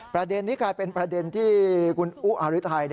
ประเด็นนี้กลายเป็นประเด็นที่คุณอุอาริไทย